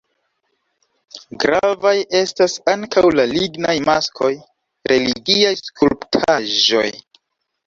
Gravaj estas ankaŭ la lignaj maskoj, religiaj skulptaĵoj.